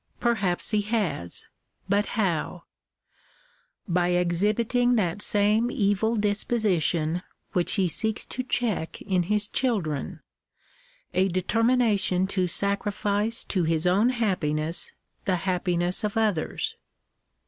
Perhaps he has ; but how ? By exhibiting that same evil disposition which he seeks to check in his children — a determination to sacrifice to his own happiness the happiness of others.